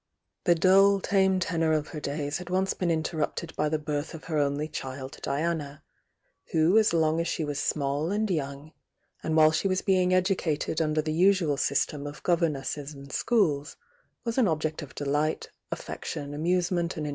The dull h^^^^wZu"^ }'i^ ^*y« ^'^ °»ce been interrupted by the birth of her only child Diana, who as long S,l.I!f^ smaU and young, and while she was beinl educated under the usual system of governesses and schools, was an object of delight, affection, amuse S '^'l^'.